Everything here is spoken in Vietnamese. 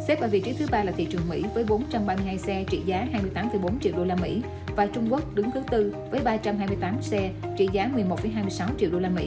xếp ở vị trí thứ ba là thị trường mỹ với bốn trăm ba mươi hai xe trị giá hai mươi tám bốn triệu usd và trung quốc đứng thứ tư với ba trăm hai mươi tám xe trị giá một mươi một hai mươi sáu triệu usd